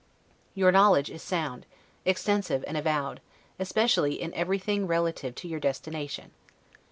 Your knowledge is sound, extensive and avowed, especially in everything relative to your destination.